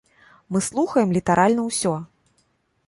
Мы слухаем літаральна ўсё.